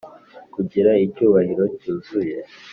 kugira icyubahiro cyuzuye,